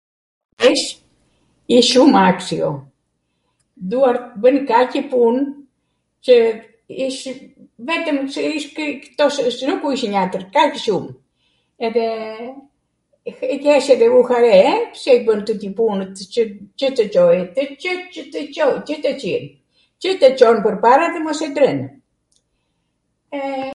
wsht, ish shum aksio. Duart bwnw kaqw pun, qw ishwn, vetwm se ish ... nuku ishw njatwr, kaqw shum. edhe jesh edhe u hare e re, pse bwnte gjith punwt qw tw Coj, gjith qw tw Con, qw tw gjith, qw tw Con pwrpara edhe tw mos e ndren, eee...